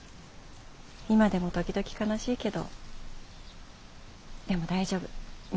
今でも時々悲しいけどでも大丈夫娘がいるから。